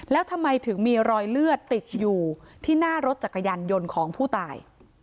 แล้วทำไมถึงมีรอยเลือดติดอยู่ที่หน้ารถจักรยานยนต์ของผู้ตาย